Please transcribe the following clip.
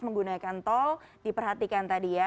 menggunakan tol diperhatikan tadi ya